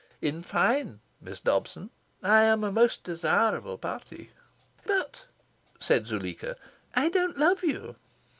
In fine, Miss Dobson, I am a most desirable parti." "But," said Zuleika, "I don't love you."